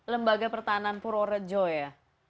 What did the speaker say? lembaga pertahanan purworejo ya